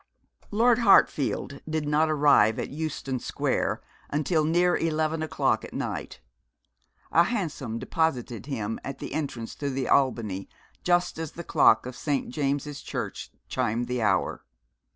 Lord Hartfield did not arrive at Euston Square until near eleven o'clock at night. A hansom deposited him at the entrance to the Albany just as the clock of St. James's Church chimed the hour.